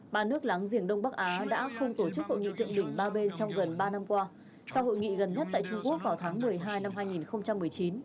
ba nước láng giềng đông bắc á đã không tổ chức hội nghị thượng đỉnh ba bên trong gần ba năm qua sau hội nghị gần nhất tại trung quốc vào tháng một mươi hai năm hai nghìn một mươi chín